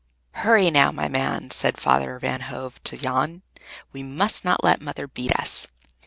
"Hurry, now, my man," said Father Van Hove to Jan. "We must not let Mother beat us!